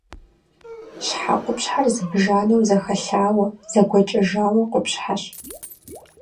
Щхьэ къупщхьэр зыбжанэу зэхэлъауэ, зэгуэкӏэжа къупщхьэщ.